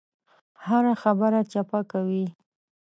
هره خبره چپه کوي.